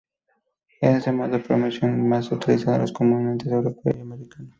Este es el modo de promoción más utilizado en los continentes europeo y americano.